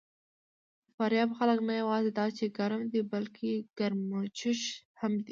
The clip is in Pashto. د فاریاب خلک نه یواځې دا چې ګرم دي، بلکې ګرمجوش هم دي.